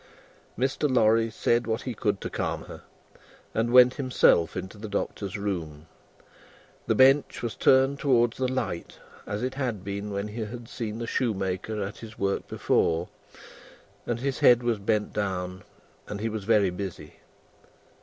Mr. Lorry said what he could to calm her, and went himself into the Doctor's room. The bench was turned towards the light, as it had been when he had seen the shoemaker at his work before, and his head was bent down, and he was very busy.